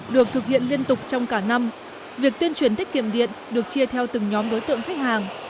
được thực hiện liên tục trong cả năm việc tuyên truyền tiết kiệm điện được chia theo từng nhóm đối tượng khách hàng